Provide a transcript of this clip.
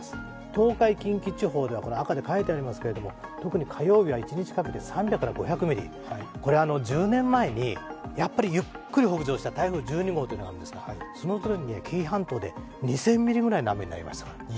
東海・近畿地方では、赤で書いてありますけれども特に火曜日は一日かけて３００５００ミリ、これ１０年前にやっぱりゆっくり北上した台風１２号がそのときに紀伊半島で２０００ミリぐらいの雨になりましたから。